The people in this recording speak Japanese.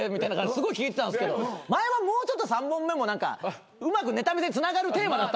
すごい聞いてたんですけど前はもうちょっと３本目もうまくネタ見せにつながるテーマだったんですよ。